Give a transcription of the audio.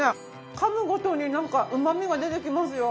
噛むごとになんかうまみが出てきますよ。